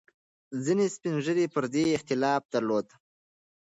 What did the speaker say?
ځینې سپین ږیري پر دې اختلاف درلود.